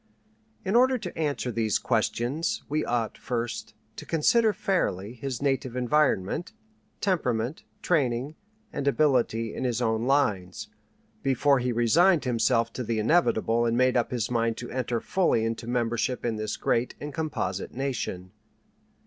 In order to answer these questions, we ought, first, to consider fairly his native environment, temperament, training, and ability in his own lines, before he resigned himself to the inevitable and made up his mind to enter fully into membership in this great and composite nation.